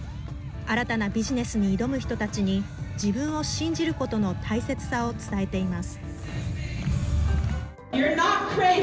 新たなビジネスに挑む人たちに、自分を信じることの大切さを伝えています。